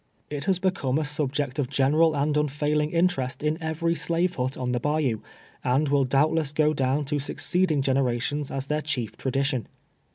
It has become a subject of general and unfailing interest in every slave hut on the bayou, and will doubtless go down to succeeding generations as their chief tradi tion.